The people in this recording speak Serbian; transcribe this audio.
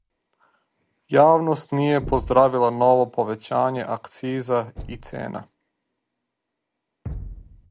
Јавност није поздравила ново повећање акциза и цена.